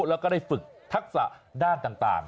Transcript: แล้วก็ได้ฝึกทักษะด้านต่าง